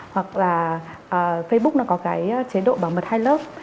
hoặc là facebook nó có cái chế độ bảo mật hai lớp